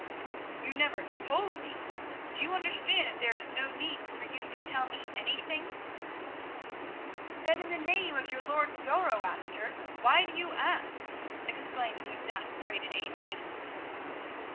"You never told me! Do you not understand that there is no need for you to tell me anything?" "Then, in the name of your Lord Zoroaster, why do you ask?" exclaimed the exasperated Adrian.